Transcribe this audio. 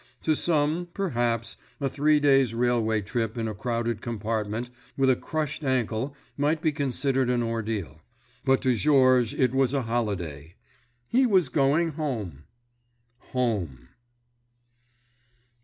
To some, perhaps, a three days' railway trip in a crowded compartment with a crushed ankle might be considered an ordeal. But to Georges it was a holiday. He was going home! Home.